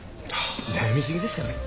悩みすぎですかね？